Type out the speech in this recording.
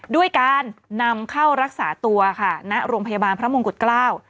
ด้วยการนำเข้ารักษาตัวค่ะณโรงพยาบาลพระมงกุฎเกล้า